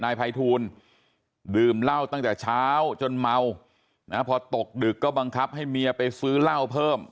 นายภัยทูลดื่มเหล้าตั้งแต่เช้าจนเมานะพอตกดึกก็บังคับให้เมียไปซื้อเหล้าเพิ่ม